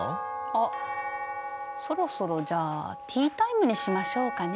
あそろそろじゃあティータイムにしましょうかね。